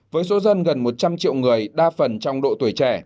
với số dân gần một trăm linh triệu người đa phần trong độ tuổi trẻ